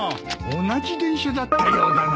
同じ電車だったようだな。